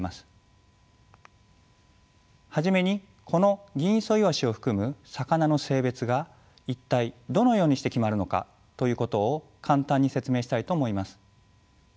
初めにこのギンイソイワシを含む魚の性別が一体どのようにして決まるのか？ということを簡単に説明したいと思います。